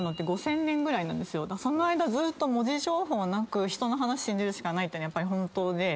その間ずーっと文字情報なく人の話信じるしかないっていうのやっぱり本当で。